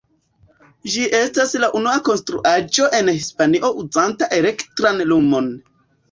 Ĝi estis la unua konstruaĵo en Hispanio uzanta elektran lumon.